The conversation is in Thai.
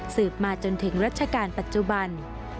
สืบมาจนถึงรัชกาลปัจจุบัน